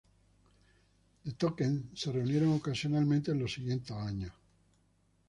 The Tokens se reunieron ocasionalmente en los siguientes años.